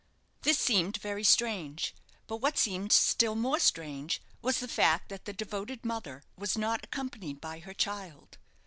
This seemed very strange; but what seemed still more strange, was the fact that the devoted mother was not accompanied by her child.